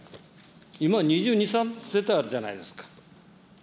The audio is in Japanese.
今、２２、３世帯あるじゃないですか。